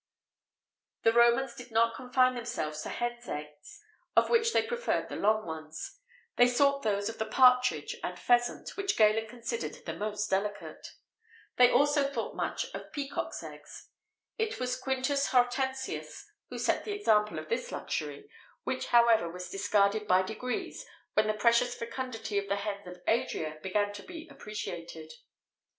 The Romans did not confine themselves to hens' eggs, of which they preferred the long ones;[XVIII 75] they sought those of the partridge and pheasant, which Galen considered the most delicate.[XVIII 76] They also thought much of peacocks' eggs. It was Quintus Hortensius who set the example of this luxury,[XVIII 77] which, however, was discarded by degrees when the precious fecundity of the hens of Adria began to be appreciated.